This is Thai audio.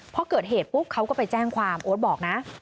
พอเกิดเหตุปุ๊บเขาก็ไปแจ้งความโอ๊ตบอกนะ